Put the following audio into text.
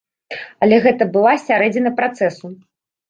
Але гэта была сярэдзіна працэсу.